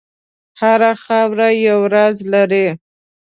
هره خاوره یو راز لري.